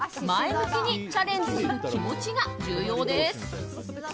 前向きにチャレンジする気持ちが重要です。